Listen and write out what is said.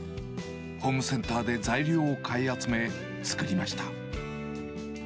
ホームセンターで材料を買い集め、作りました。